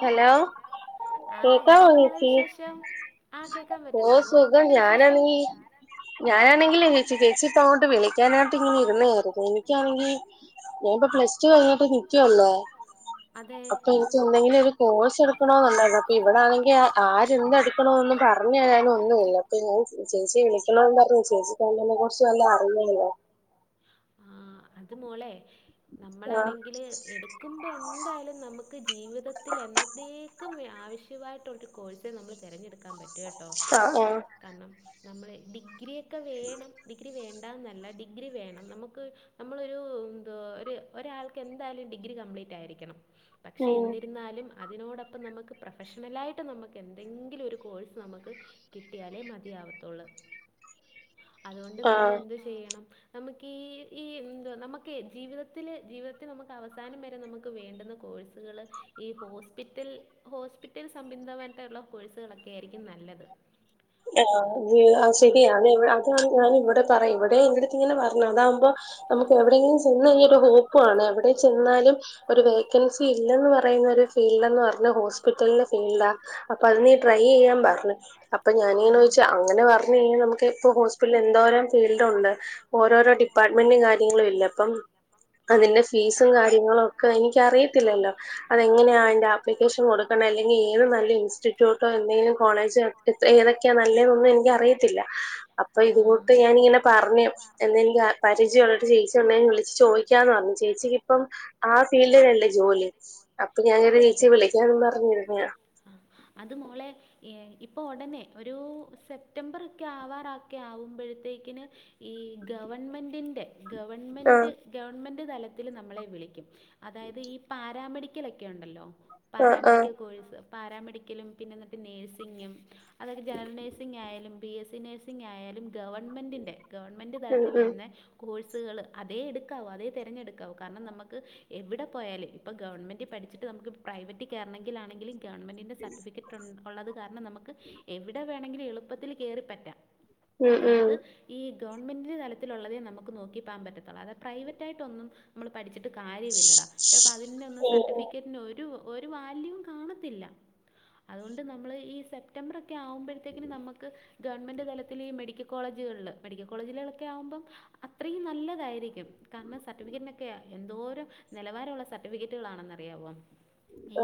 Hello കേക്കാവൊ ചേച്ചി ഓ സുഖം ഞാനാ നീ ഞാനാണെങ്കിലേച്ചി വെച്ചിട്ടങ്ങോട്ട് വിളിക്കാനായിട്ട് ഇങ്ങനെ ഇരന്നയാരുന്നു എനിക്കാണെങ്കിൽ ഞാനിപ്പോ പ്ലസ് ടു കഴിഞ്ഞിട്ട് നിക്കല്ലേ അപ്പൊ എനിക്ക് എന്തെങ്കിലും ഒരു കോഴ്സ് എടുക്കണോ എന്നുണ്ടായിരുന്നു അപ്പൊ ഇവിടൊണെങ്കിൽ ആരന്ത എടുക്കണോന്ന് പറഞ്ഞ് തരാനും ഒന്നുമില്ല ഞാൻ ചേച്ചി വിളിക്കണെന്ന് പറഞ്ഞു ചേച്ചി കണ്ടതിനെ കുറിച്ച് വല്ല അറിയല്ലോ ആ അത് മോളെ നമ്മളാണെങ്കിൽ എടു നക്കുമ്പോൾ എന്തായാലും നമുക്ക് ജീവിതത്തിൽ എന്നത്തേക്കും ആവശ്യമായിട്ടുള്ളരു കോഴ്സ നമ്മൾ തിരഞ്ഞെടുക്കും [unintelligible] ട്ടോ കാരണം നമ്മ ഡിഗ്രക്കെ വേണം എങ്കി വേണ്ട ണ്ടാ നല്ല ഡിഗ്രി വേണം നമുക്ക് നമ്മളൊരു എന്തോ ഒരു ഒരാൾക്ക് എന്തായാലും ഡിഗ്രി കംപ്ലീറ്റ് ആയിരിക്കണം. പക്ഷേ എന്നിരുന്നാലും. അതിനോടൊപ്പം നമുക്ക് പ്രൊഫഷണലായിട്ട് നമുക്ക് എന്തെങ്കിലും ഒരു കോഴ്സ് നമുക്ക് കിട്ടിയാലേ മതിയാവത്തുള്ളൂ അതുകൊണ്ട് നമ്മൾ എന്തു ചെയ്യണം നമുക്ക് ഈ ഈ എന്തോ നമുക്ക് ജീവിതത്തില് ജീവിതത്തിൽ നമുക്ക് അവസാനം വരെ നമുക്ക് വേണ്ടെന്ന് കോഴ സ്സുകള് ഈ ഹോസ്പിറ്റൽ ഹോസ്പിറ്റൽ സംബന്ധമായിട്ടുള്ള കോഴ്സുകളൊക്കെ ആയിരിക്കും നല്ലത്. [inaudible] ആ ശരിയാണ് അതാണ് ഞൻ ഇവിടെ പറയാ ഇവിടെ എന്റടുത്ത് ഇങ്ങനെ പറഞ്ഞു അതാകുമ്പോ നമുക്ക് എവിടെയും ചെന്ന [unintelligible] [unintelligible] എവിടെ ചെന്നാലും ഒരു വേക്കൻസി ഇല്ലന്ന് പറയുന്ന ഒരു ഫീൽഡ് എന്ന് പറഞ്ഞ ഹോസ് ഹോസ്പിറ്റലിന്റെ ഫീൽഡാ അപ്പൊ അത് നീ ട്രൈ യ്യാൻ പറഞ് പ്പൊ ഞാനിങ്ങന ചോയ്ച് അങ്ങനെ പറഞ് കഴിഞ്ഞാൽ നമുക്ക്പ്പോ ഹോസ്പിറ്റലിൽ എന്തോരം ഫീൽഡുണ്ട്. ഓരോരോ ഡിപ്പാർട്ട്മെന്റും കാര്യങ്ങളും ഇല്ല അപ്പം. അതിന്റെ ഫീസും കാര്യങ്ങളും ഒക്കെ എനിക്ക്‌ അറിയത്തില്ലല്ലോ അതെങ്ങനെയാ അതിന്റെ ആപ്ലിക്കേഷൻ കൊടു ക്കണം അല്ലെങ്കിൽ ഏത് നല്ല ഇൻസ്റ്റിറ്റ്യൂട്ടോ എന്തെങ്കിലും കോള [inaudible] ഏതൊക്കെയാ നല്ലെന്നൊന്നും എനിക്ക്‌ അറിയത്തില്ല അപ്പൊ ഇതുകൊട്ട് ഞാാനിങ്ങനെ പറഞ്ഞ് എന്തെനിക്ക് പരിചയം ഉള്ളിട്ട് ചേച്ചി ഉണ്ടെ വിളിച്ചു ചോദിക്കാന്ന് പറഞ്ഞു ചേച്ചിക്കപ്പോം ആ ഫീൽഡിനല്ലേ ജോലി. അപ്പൊ ഞാനോരു ഏച്ചി വിളിക്കാന്ന് പറഞ്ഞിരുന്യ അത് മോളെ ഏ ഇപ്പഒടനെ ഒരൂ സെപ്റ്റംബറക്കെ ആവാറൊക്കെ ആവുമ്പോഴത്തേക്കിന് ഈ ഗവൺമെന്റിന്റെ ഗവൺമെൻറ് ഗവൺമെൻറ് തലത്തില് നമ്മളെ വിളിക്കും അതായത് ഇ പാരാമെഡിക്കലക്കെ ഉണ്ടല്ലോ പാരാമെഡിക്കൽ കോഴ്സ്. പാരാമെഡിക്കലും പിന്നെ ഇന്നിട്ട് നഴ്സിങ്ങും അതൊരു ജനറൽ നേഴ്സിങ് ആയാലും ബിഎ സ് സി നെഴ്സിങ്ങ് സിങ്ങ് ആയാലും ഗവൺമെന്റിന്റെ ഗവൺമെന്റ് തലത്തി വരി ന്നേ കോഴ്സുകള് അതേ എടുക്കാവോ അതേ തിരഞ്ഞെടുക്കാവൂ കാരണം നമുക്ക് എവിടെ പോയാലും ഇപ്പ ഗവൺമെന്റ് പഠിച്ചിട്ട് നമുക്ക് പ്രൈവറ്റ് കേറണ ങ്കിലാണെങ്കിലും ഗവമെന്റിന്റെ സർട്ടിഫിക്കറ്റ് ട്ട് ഉള്ളത് കാരണം നമ്മക്ക് എവിടെ വേണങ്കിലും എളുപ്പത്തിൽ കേറി പറ്റാം അതുകൊണ്ട് ഈ ഗവൺമെന്റ് തലത്തിലുള്ളതേ നമ്മക്ക് നോക്കിപ പറ്റത്തുള്ളൂ അത് പ്രൈവറ്റായിട്ട് ഒന്നും നമ്മൾ പഠിച്ചിട്ട് കാര്യവി ല്ലടാ ചിലപ്പോം അതിൻ്റെന്നും സർട്ടിഫിക്കറ്റിന് ഒരു ഒരു വാല്യൂ കാണ ത്തില്ല അതുകൊണ്ട് നമ്മള് ഈ സെപ്റ്റംബറോക്കെ ആവുമ്പോഴത്തേക്ന് നമ്മ ക്ക് ഗവൺമെന്റ് തലത്തില് ഇ മെഡിക്കൽ കോളേജുകളില് മെഡിക്കൽ കോളേജുകളൊക്കെ ആവുമ്പം ഹ് അത്രീയും നല്ലതായിരിക്കും. കാരണം സർട്ടിഫിക്കറ്റിനൊക്കെ എന്തോരം നെലവാരള്ള സർട്ടിഫിക്കറ്റുകളാണെന്ന് അറിയാവോ? ഇ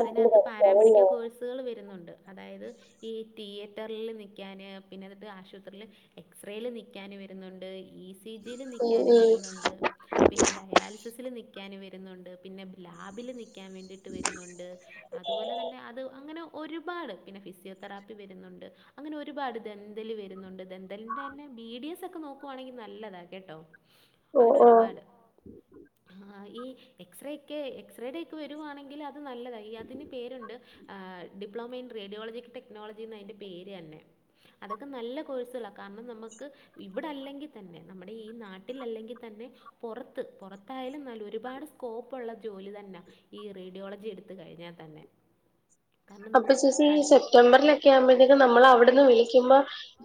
അതിനകത്ത് പാരാമെഡിക്കൽ കോഴ് സുകൾ വരുന്നുണ്ട് അതായത് ഇ തിയേറ്ററില് നിക്കാൻ പിന്നെതോട്ട് ആശുത്രിൽ എക്സ്റേയിൽ നിക്കാന് വരുന്നുണ്ട് ഈസ് സി ജിയിൽ നിൽക്കാന് വരുന്നുണ്ട് പിന്നെ ഡയാലിസിസില് നി ക്കാന് വരുന്നുണ്ട് പിന്നെ ലാബില് നിക്കാൻ വേണ്ടീട്ട് വരുന്നുണ്ട് അതുപോലെ തന്നെ അത് അങ്ങനെ ഒരുപാട് പിന്നെ ഫിസിയോതെറാപ്പി വരുന്നുണ്ട് അങ്ങനെ ഒരുപാട് ദന്തല് വരുന്നുണ്ട് ദന്തലിന്റെ തന്നെ ബി ഡി എസ് ഒക്കെ നോക്കുവാണെങ്കിൽ നല്ലതാ കേട്ടോ? അങ്ങനെ ഒരുപാട് ആഹ് ഇ എക്സ്റേക്കെ എക്സറേയുടെക്കെ വരുവാണെങ്കിൽ അത് നല്ലത [unintelligible] പേരുണ്ട് അഹ് ഡിപ്ലോമ ഇൻ റേഡിയോളജി ടെക്നോളജിന്ന് അതിന്റെ പേര് തന്നെ. അതൊക്കെ നല്ല കോഴ്സ്ളാ കാരണം നമ്മക്ക് ഹ് ഇവിടെ അല്ലെങ്കി തന്നെ നമ്മടെ ഈ നാട്ടിൽ അല്ലെങ്കി തന്നെ പോറത്ത് പോറത്തായാലും നല്ല ഒരുപാട് സ്കോപ്പള്ള ജോലി തന്ന ഇ റേഡിയോളജി എടുത്ത് കഴിഞ്ഞാ തന്നെ. അപ്പൊ ചേച്ചി ഇ ഷൽ സറ്റംബറിലൊക്കെ ആകുമ്പോഴത്തേക്കും നമ്മള അവിടുന്ന് വിളിക്കുമ്പോ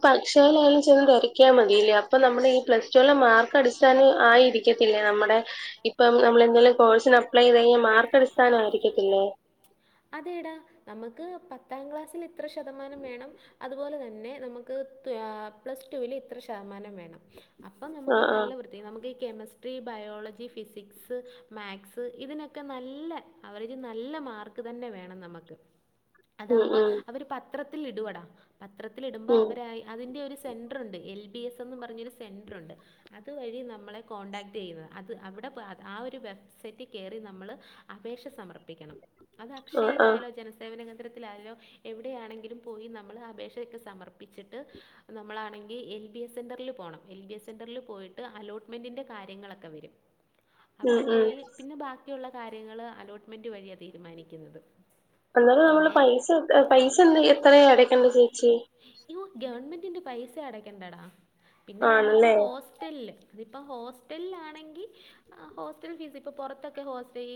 ഭക്ഷണം വാങ്ങിച്ച തരിം ക്യാ മതീല്ലേ അപ്പൊ നമ്മളെ ഈ പ്ലസ് ടുൂലെ മാർക്ക് അടിസ്ഥാനം ആയിരിക്കത്തില്ലേ നമ്മടെ ഇപ്പം നമ്മളെന്തേലും കോഴ്സിന് അപ്ലേ ചെയ്ത് കഴിഞ്ഞാൽ മാർക്ക ഡിസ്ഥനാ ആയിരിക്കത്തില്ലേ അതെടാ നമക്ക് പത്താം ക്ലാസ്സിലിത്ര ശതമാനം വേണം അതുപോലെ തന്നെ നമുക്ക് ത്തുയാ പ്ലസ് ടുവിൽ ഇത്ര ശതമാനം വേണം. അപ്പം നമക്ക് നല്ല വൃത്തി നമക്ക് ഈ കെമിസ്ട്രി, ബയോളജി, ഫിസിക്സ് സ്, മാക്സ് ഇതിനൊക്കെ നല്ല അവറേജ് നല്ല മാർക്ക് തന്നെ വേണം നമക്ക് അതാകുമ്പോ അവര് പത്രത്തിലിടുവെടാ പത്രത്തില് ഇടുമ്പ അവരായി അതിൻ്റെ ഒരു സെൻട്രുണ്ട് എൽ ബി എസ് എന്നും പറഞ്ഞൊരു സെൻട്രു ഉണ്ട്. അതുവഴി നമ്മളെ കോൺടാക്ട് ചെയ്യുന്നത് അത് അവിടെ പോവ ആ ഒരു വെബ്സൈറ്റ് കേറി നമ്മൾ അപേക്ഷ സമർപ്പിക്കണം. അത് അക്ഷയിലായാലോ ജന സേവന കേന്ദ്രത്തിലായാലോ എവിടെയാണെങ്കിലും പോയി നമ്മൾ അപേക്ഷയൊക്കെ സമർപ്പിച്ചിട്ട് നമ്മളാണെങ്കി എൽ ബി എസ് സെന്ററിൽ പോണം. എൽ ബി എസ് സെന്ററിൽ പോയിട്ട് അലോട്ട്മെൻ്റിന്റെ കാര്യങ്ങളൊക്കെ വരും. അവിടെ പോയി പിന്നെ ബാക്കിയുള്ള കാര്യങ്ങള് അലോട്ട്മെന്റ് വഴിയാ തീരുമാനിക്കുന്നത്. എന്നാലും നമ്മള് പൈസ ഒക്കെ പൈസ എന്ത് എത്രയാ അടയ്ക്കണ്ടേ ചേച്ചി യൂ ഗവൺമെന്റിന്റെ പൈസ അടക്കണ്ടടാ പിന്നെ നമുക്ക് ഹോസ് റ്റൽ ല് അതിപ്പോ ഹോസ്റ്റൽല് ആണെങ്കി ആഹ് ഹോസ്റ്റൽ ഫീസ് ഇപ്പോ പുറത്തൊക്കെ ഹോസ്റ്റൽ ഈ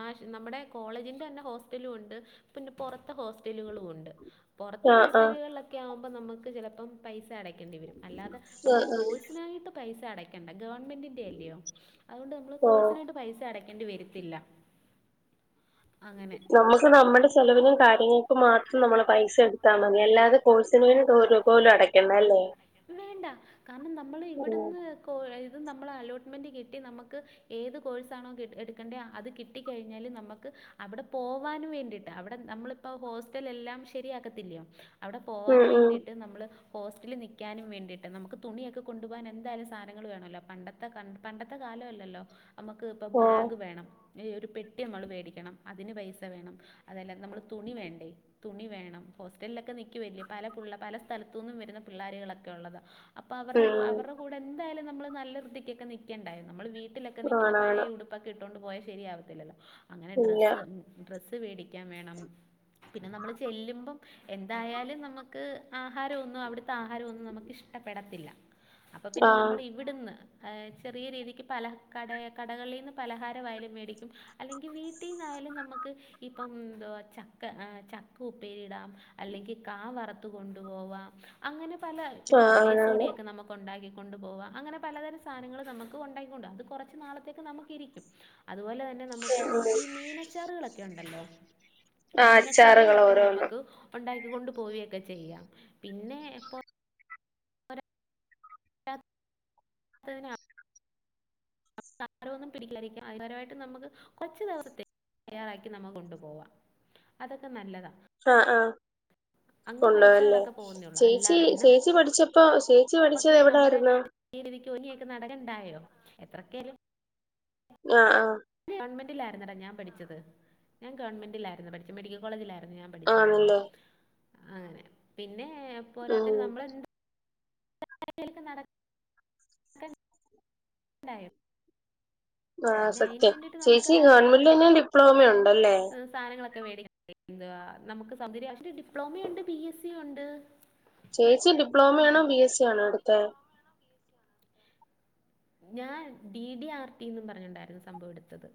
ആ നമ്മടെ കോളേജിൻ്റെ തന്നെ ഹോസ്റ്റലും ഉണ്ട്. പിന്നെ പൊറത്തെ ഹോസ്റ്റലുകളും ഉണ്ട്. പൊറത്തെ ഹോസ്റ്റലുകളിലൊക്കെ ആകുമ്പം നമുക്ക് ചിലപ്പം പൈസ അടയ്ക്കണ്ടി വരും. അല്ലാതെ നമ്മൾ ഈ കോഴ്സ് നായിട്ട് പൈസ അടയ്ക്കണ്ട ഗവൺമെന്റിൻ്റെ അല്ലിയോ. അതോണ്ട് നമ്മൾ കോഴ്സിനായിട്ട് പൈസ അടക്കേണ്ടി വരത്തില്ല. നമുക്ക് നമ്മുടെ ചെലവിനും കാര്യങ്ങൾക്കും മാത്രം നമ്മള് പൈസ എടുത്താ മതി. അല്ലാതെ കോഴ്‌സിന് വേണ്ടീട്ട് ഒരു രൂപ പോലും അടക്കണ്ടാ ല്ലേ കോ ഇത് നമ്മൾ അലോട്ട്മെൻറ് കിട്ടി നമക്ക് ഏത് കോഴ്സാണോ ക് എടുക്കണ്ടെ അത് കിട്ടിക്കഴിഞ്ഞാല് നമുക്ക് അവിടെ പോവാനും വേണ്ടിട്ട് അവിടെ നമ്മളിപ്പോ ഹോസ്റ്റൽലെല്ലാം ശരിയാക്കത്തില്ലയോ അവിടെ പോ മേണ്ടിയിട്ട് നമ്മള് ഹോസ്റ്റിലി നിക്കാനും വേണ്ടിയിട്ട്. നമുക്ക് തുണിയൊക്കെ കൊണ്ടു പോകാൻ എന്തായാലും സാനങ്ങൾ വേണല്ലോ പണ്ടത്തെ ത്തെ കണ്ട് പണ്ടത്തെ കാലമല്ലല്ലോ. നമുക്ക് ഇപ്പം ബാഗ് വേണം. ഏയ് ഒരു പെട്ടിയമ്മൾ വേടിക്കണം അതിന് പൈസ വേണം. അതല്ല നമ്മൾ തുണി വേണ്ടേ തുണി വേണം ഹോസ്റ്റൽലൊക്കെ നിക്കുവല്ലേ. പല പുള്ള പല സ്ഥലത്തൂന്നും വരുന്ന പിള്ളേരികളൊക്കെ ഉള്ളതാ അപ്പൊ അവര്ടെ കൂ അവർടെ കൂ ടെന്തായാലും നമ്മള് നല്ല വൃത്തിക്കൊക്കെ നിക്കണ്ടായോ. നമ്മൾ വീട്ടിലൊക്കെ നിക്കുന്ന പഴേ ഉടു പ്പൊക്കെ ഇട്ടൊണ്ട് പോയാ ശരിയാവത്തില്ലല്ലോ. അങ്ങനെ ഡ്രസ്സ് ഡ്രസ്സ് വേടിക്കാൻ വേണം. പിന്നെ നമ്മള് ചെല്ലുമ്പം എന്തായാലും നമ്മ ക്ക് ആഹാരം ഒന്നും അവിടുത്തെ ആഹാരമൊന്നും നമുക്ക് ഇഷ്ടപ്പെടത്തില്ല. അപ്പ പിന്നെ നമ്മൾ ഇവിട്ന്ന് ഏഹ് ചെറിയ രീതിക്ക് പല കടെ കടകളിൽ നിന്ന് പലഹാരവായാലും മേടിക്കും അല്ലെങ്കി വീട്ടീന്നായാലും നമുക്ക് ഇപ്പം ന്തുവാ ചക്ക് ചക്ക ഉപ്പേരിയിടാം അല്ലെങ്കിൽ കാ വറ ത്ത് കൊണ്ടുപോവാം. അങ്ങനെ പല പിന്നെ അവലേസു പൊടിയൊക്കെ നമു ക്കുണ്ടാക്കി കൊണ്ടുപോവാ. അങ്ങനെ പലതരം സാധനങ്ങളും നമുക്ക് ഉണ്ടാക്കി ക്കൊണ്ട് പോവാ. അത് കുറച്ച് നാളത്തേക്ക് നമുക്ക് ഇരിക്കും. അതുപോലെ തന്നെ നമുക്ക് ഈ മീനച്ചാറുകളൊക്കെ ഉണ്ടല്ലോ. മീനച്ചാറുകളൊക്കെ നമുക്ക് ഉണ്ടാക്കിക്കൊണ്ട് പോവേയൊക്കെ ചെയ്യാം. പിന്നെ പ്പോ [unintelligible] ത്തതിനാ [unintelligible] ആഹാര ഒന്നും പിടിക്കില്ലാരിക്കാം. ആഹാരായിട്ട് നമുക്ക് കൊച്ചു ദെവസത്തെ തയ്യാറാക്കി നമ്മക് കൊണ്ടുപോവാ അതൊക്കെ നല്ലതാ. ആഹ് ആഹ് കൊണ്ടാവാല്ലേ ചേച്ചി ചേച്ചി പഠിച്ച പ്പൊ ചേച്ചി പഠിച്ചത് എവിടായിരുന്ന്? [unintelligible] നടക്കണ്ടായോ എത്രക്കേലും ആഹ് ആഹ് ഗവൺമെന്റിലായിര്ന്നടാ ഞാൻ പഠിച്ചത്. ഞാൻ ഗവൺമെന്റിലായിരുന്നു പഠിച്ച. മെഡിക്കൽ കോളേജിലായിരുന്നു ഞാൻ പഠിച്ചത് തന്നെ. അങ്ങനെ പിന്നെ പോരാത്തേന് നമ്മളെന്ത് [unintelligible] നട [unintelligible] നടക്ക [unintelligible] ണ്ടായോ. പിന്നെ അയിന് വേണ്ടീട്ട് നമക്കാ ആവിശ്യത്തിന് സ്ഥാനങ്ങളൊക്കെ വേടിക് എന്തുവാ നമുക്ക് സംന്ദര്യാഷ്ട് ഡിപ്ലോമിണ്ട് ബി എസ് സി ഉണ്ട് ചേച്ചി ഡിപ്ലോമയാണോ ബി എസ് സി ആണോ എടുത്തെ ഞാൻ ഡി ഡി ആർ ടിന്നും പറഞ്ഞ്ണ്ടായിരുന്നു സംഭവം എട്ത്തത്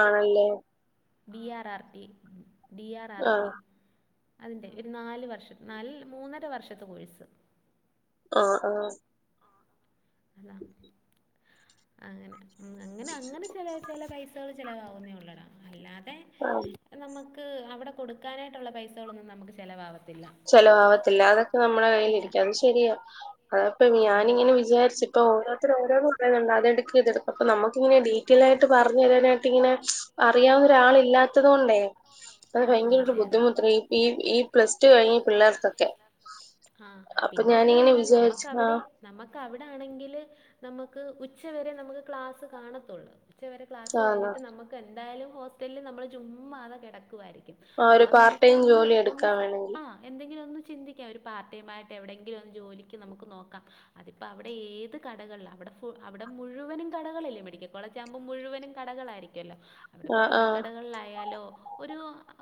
ആണല്ലേ? D R R T. D R R T അതിന്റെ ഒരു നാല് വർഷത്തെ, നാലല്ല ഒരു മൂന്നരവർഷത്തെ കോഴ്സ്. ആഹ് ആഹ് അള്ളാ അങ്ങനെ ഇമ് അങ്ങനെ അങ്ങനെ ചെലെ ചെല പൈസാള് ചെലവാകുന്നെ ഒള്ളെഡാ, അല്ലാതെ നമ്മക്ക് ക്ക് അവടെ കൊടുക്കാനായിട്ടൊള്ള പൈസകളൊന്നും നമക്ക് ചെലവാവ- ചെലവാവത്തില്ല അതൊക്കെ നമ്മളെ കയ്യിലിരിക്കും. അത് ശരിയാ. അതാപ്പൊ ഞാനിങ്ങനെ വിചാരിച്ചു ഇപ്പൊ ഓരോര്ത്തര് ഓരോന്ന് പറയ്ണണ്ടാല് ട്ക്ക്ഇതെട്ക്ക് അപ്പൊ നമ്മക്കിങ്ങനെ ഡീ- ഡീറ്റ്യേലായിട്ട് പറഞ്ഞേരാനായിട്ട്ങ്ങനെ അറിയാവുന്നൊരാളില്ലാത്തത് കൊണ്ടേ അത് ഭയങ്കര ഒരു ബുദ്ധിമുട്ട ടീ ഈ ഈ പ്ലസ് ടു കഴിഞ്ഞ പിള്ളേർക്കൊ- ആഹ് പിന്നെ അതുവല്ല നമ്മക്ക് അവിടെ നമ്ക്കവിടാണെങ്കില് നമ്ക്ക് ഉച്ചവരെ നമ്ക്ക് ക്ലാസ്സ് കാണത്തൊള്ളൂ. ഉച്ചവരെ ക്ലാസ് കഴിഞ്ഞിട്ട് നമക്ക് എന്തായാലും ഹോസ്റ്റൽല് നമ്മള് ചുമ്മാതെ കെടക്കുവായിരിക്കും. അപ്പൊ നമ്ക്ക് ഒന്ന് ഒന്ന് ആഹ് എന്തെങ്കിലും ഒന്ന് ചിന്തിക്കാം ഒരു പാർടൈം ആയിട്ട് എവിടെങ്കിലും ഒര് ജോലിക്ക് നമുക്ക് നോക്കാം. അതിപ്പോ അവടെ ഏത് കടകൾള അവടെഫു അവടെ മുഴുവനും കടകളല്ലേ മെഡിക്കൽ കോളേജ് ക്യാബോ മുഴുവനും കടകളായിരിയ്ക്കോല്ലോ. അവിടെപ്പോ തുണിക്കടകൾലായാലോ ഒരു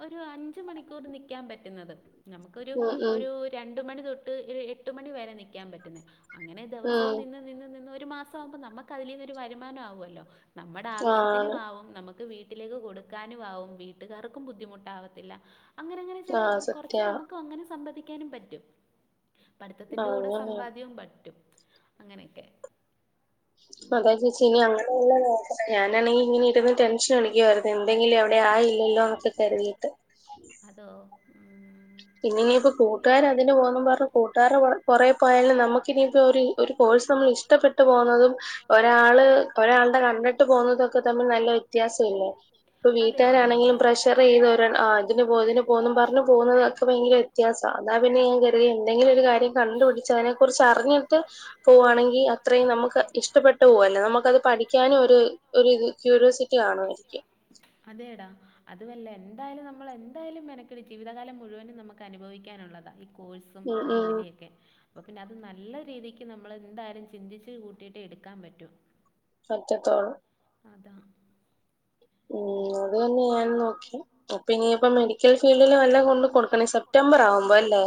ഒരു അഞ്ചു മണിക്കൂർ നിക്കാൻ പറ്റുന്നത്. നമുക്കൊരു ഒരു രണ്ട് മണി തൊട്ട് ഒര് എട്ട് മണി വരെ നിക്കാൻ പറ്റുന്നെ, അങ്ങനെ ദെവസവും നിന്ന് നിന്ന് നിന്ന് ഒരു മാസാവുമ്പോ നമ്മക്ക് അതിലീന്നൊരു വരുമാനാവോല്ലോ, നമ്മടെ ആവശ്യത്തിനുംആവും നമ- ക്ക് വീട്ടിലേക്ക് കൊടുക്കാനും ആവും വീട്ട്കാർക്കും ബുദ്ധിമുട്ടാവത്തില്ല. അങ്ങനെ അങ്ങനെ ചില കൊറച്ച് നമുക്കും അങ്ങനെ സംബദിക്കാനും പറ്റും. പഠിത്തത്തിന്റെ കൂടെ സമ്പാദ്യവും പറ്റും അങ്ങനെക്കെ. അതാ ചേച്ചി ഇനി അങ്ങനെയുള്ള നോക്ക ഞാനാണെങ്കി ഇങ്ങനെ ഇരുന്ന് ടെൻഷൻ അടിക്കുവായിരുന്നു. എന്തെങ്കിലും എവിടേം ആയില്ലല്ലോ ന്നൊക്കെ കരുതിയിട്ട്. അതോ.. ഹ് മ് മ് പിന്നെ ഇനിയിപ്പോ കൂട്ടുകാരതിന് പോകാന്നും പറഞ്ഞ് കൂട്ടുകാര്ടെ പൊ പൊറെ പോയാലും നമുക്ക് ഇനിപ്പൊ ഒര് ഒരു കോഴ്സ് നമ്മള് ഇഷ്- ഇഷ്ടപ്പെട്ടു പോകുന്നതും ഒരാള് ഒരാളുടെ കണ്ടിട്ട് പോകുന്നതൊക്കെ തമ്മിൽ നല്ല വ്യത്യാസം ഇല്ലേ? ഇപ്പൊ വീട്ടുകാരാണെങ്കിലും പ്രഷർ ചെയ്തൊര് ആഹ് ഇതിന് പോ ഇതിന് പോന്നും പറഞ്ഞ് പോകുന്നതും ഭയങ്കര വ്യത്യാസാ, അതാ പിന്നെ ഞാൻ കര്ത്യെ എന്തെങ്കിലും ഒരു കാര്യം കണ്ട്പിടിച്ചതിനെ കുറിച്ചറിഞ്ഞിട്ട് ' പോവാണെങ്കി അത്രേം നമ്മക്ക് ഇഷ്ടപ്പെട്ടു പോവല്ലേ? നമ്മക്കത് പഠിക്കാനും ഒരു ഒരു ഇത് ക്യൂരിയോസിറ്റി കാണാമായിരിക്കും. അതെടാ അതുവല്ല എന്തായാലും നമ്മൾ എന്തായാലും മെനക്കെട് ജീവിതകാലം മുഴുവനും നമുക്ക് അനുഭവിക്കാനുള്ളതാ ഈ കോഴ്സ്- സും ജോല്യേ ക്കെ അപ്പൊ പിന്നെ അത് നല്ല രീതിക്ക് നമ്മള് എന്തായാലും ചിന്തിച്ച് കൂട്ടിയിട്ടെ എടുക്കാൻ പറ്റൂ. അറ്റത്തോ അധാ അത് തന്നെ ഞാനും നോക്ക്യേ. അപ്പൊ ഇനിയിപ്പൊ മെഡി- ക്കൽ ഫീൽഡില് വല്ലോം കൊണ്ട് കൊടുക്കണേ സെപ്റ്റംബർ ആകുമ്പോ അല്ലേ?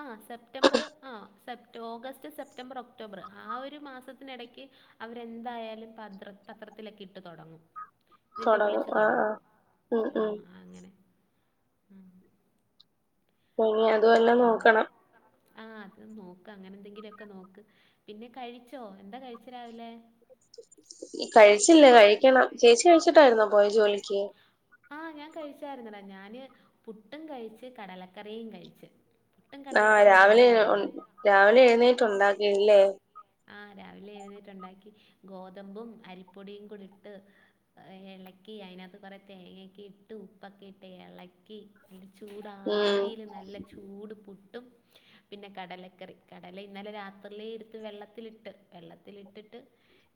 ആഹ് സെപ്റ്റംബർ ആഹ് സെപ്റ്റോ ഓഗസ്റ്റ് സെപ്റ്റംബർ ഒക്ടോബറ് ആ ഒരു മാസത്തിനെടയ്ക്ക്. അവരെന്തായാലും പത്ര പത്രത്തിലൊക്കെ ഇട്ട് തൊടങ്ങും. ഇതിന്റെ വിളിച്ച് തൊടങ്ങും. അ ആ അങ്ങനെ അ. അങ്ങനെക്കെണ്ട്. ആ അത് നോക്ക അങ്ങനെന്തെങ്കിലൊക്കെ നോക്ക്. പിന്നെ കഴിച്ചോ? എന്താ കഴിച്ചെ രാവിലെ? കഴിച്ചില്ല കഴിക്കണം. ചേച്ചി കഴിച്ചിട്ടായിരുന്നോ പോയെ ജോലിക്ക്? ആഹ് ഞാൻ കഴിച്ചായിരുന്നെട ഞാന് പുട്ടും കഴിച്ച് കടലക്കറീം കഴിച്ച്. ആഹ് രാവിലെയെ രാവിലെഴുന്നേറ്റ് ഉണ്ടാക്കില്ലേ ആഹ് രാവിലെ എഴുന്നേറ്റ് ഉണ്ടാക്കി ഗോതമ്പും അരിപ്പൊടിയും കൂടി ഇട്ട് എളക്കി അയിനാത്ത് കൊറേ തേങ്ങയെക്കിട്ടു ഉപ്പൊക്കിട്ടെ എളക്കി അയിൻ്റെ ചൂടാവീല് നല്ല ചൂട് പുട്ടും പിന്നെ കടലക്കറി കടല ഇന്നലെ രാത്രീലീ ഇട്ത്ത് വെള്ളത്തിലിട്ട് വെള്ളത്തിലിട്ടിട്ട്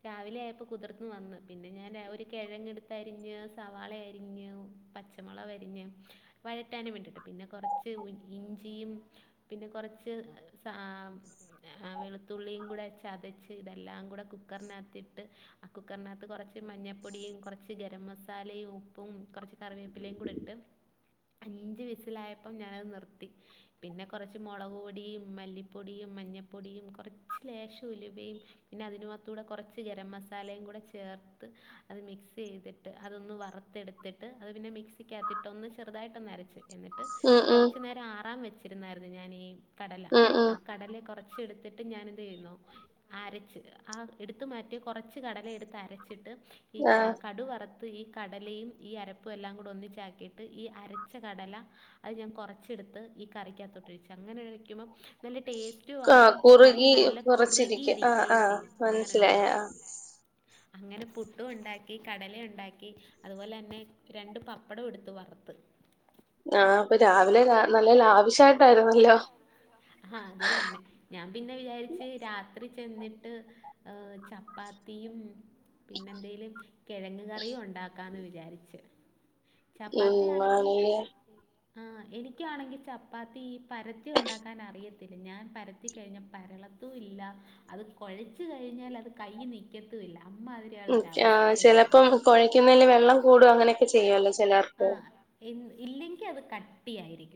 രാവിലെയായപ്പം കുതിർന്ന് വന്ന് പിന്നെ ഞാൻ ഒരു കെഴങ്ങെടുത്തരിഞ്ഞ് സവാളയരിഞ്ഞു പച്ച് പച്ചമൊളവരിഞ്ഞ് വഴറ്റാനും വേണ്ടീട്ട് പിന്നെ കൊറച്ച് ഇഞ്ചിയും പിന്നെ കൊറച്ച് സാം ആ വെളുത്തുള്ളിയും കൂടെ ചതച്ച് ഇതെല്ലാകൂടെ കുക്കറിനാത്തിട്ട് ആ കുക്കറിനാത്ത് കൊറച്ച് മഞ്ഞപ്പൊടിയും കോറച്ച് ഗരം മസാലയും ഉപ്പും കൊറച്ച് കറിവേപ്പിലെയും കൂടെട്ട് അഞ്ച് വിസിലായപ്പം ഞാനത് നിർത്തി പിന്നെ കൊറച്ച് മൊളക് പൊടിയും മല്ലിപ്പൊടിയും മഞ്ഞപ്പൊടിയും കൊറച്ച് ലേശ ഉലുവയും പിന്നെ അതിനുമാത്തൂടെ കൊറച്ച് ഗരം മസാലയും കൂടെ ചേർത്ത് അത് മിക്സെയ്ത് ട്ട് അതൊന്ന് വറുത്തെട്ത്തിട്ട് അത് പിന്നെ മിക്സിക്കാത്തിട്ട് ഒന്ന് ചെറുതായിട്ടൊന്ന് അരച്ച് എന്നിട്ട് കുറച്ചു നേരം ആറാം വെച്ചിരുന്നായിരുന്നു ഞാനീ കടല ആ കടല കൊറച്ചെടുത്തിട്ട് ഞാനെന്തെയ്യും ന്നോ അരച്ച് ആ എടുത്തു മാറ്റിയ കൊറച്ച് കടല എടുത്തരച്ചിട്ട് ഈ കടു വറ ത്ത് ഈ കടലയും ഈ അരപ്പും എല്ലാം കൂടെ ഒന്നിച്ചാക്കീട്ട് ഈ അരച്ച കടല അത് ഞാൻ കൊറച്ചെടുത്ത് ഈ കറിക്കാത്തൊട്ടൊഴിച്ച് അങ്ങനെ ഒഴിക്കുമ്പം നല്ല ടേസ്റ്റ് ടേസ്റ്റു ആവും കറി നല്ല കുറുകിയിരിക്കയും ചെയ്യും അങ്ങനെ ഇണ്ടാക്കി അങ്ങനെ പുട്ടും ഒണ്ടാക്കി കടലയൊണ്ടാക്കി അതുപോലെന്നെ രണ്ട് പപ്പടം എടുത്ത് വറുത്ത് ആ അപ്പൊ രാവിലെ നല്ല ലാവിശായിട്ടായിരുന്നല്ലോ ആ അത് തന്നെ ഞാൻ പിന്നെ വിചാരിച്ച് രാത്രി ചെന്നിട്ട് ഏ ചപ്പാത്തിയും പിന്നെ എന്തേലും കെഴങ്ങ് കറിയും ഒണ്ടാക്കാന്ന് വിചാരിച്ച് ചപ്പാത്തിയാണെങ്കിൽ ആ എനിക് എനിക്കാണെങ്കിൽ ചപ്പാത്തിഈ പരത്തി ഒണ്ടാക്കാൻ അറിയത്തില്ല ഞാൻ പരത്തിക്കഴിഞ്ഞാ പരളത്തു ഇല്ല അത് കൊഴച്ച് കഴിഞ്ഞാൽ അത് കൈ നിക് നിക്കത്തുയില്ല അമ്മാതിരിയാ ആ ചെലപ്പം കൊഴക്കുന്നതില് വെള്ളം കൂടും അങ്ങനെയൊക്കെ ചെയ്യുവല്ലോ ചെലർക്ക് ഇല്ലെങ്കിൽ അത് കട്ടിയായിരിക്